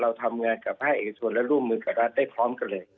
เราทำงานกับภาคเอกชนและร่วมมือกับรัฐได้พร้อมกันเลย